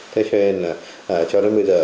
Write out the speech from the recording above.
thế cho nên là cho đến bây giờ